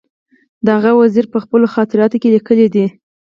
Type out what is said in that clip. د هغه یو وزیر په خپلو خاطراتو کې لیکلي دي.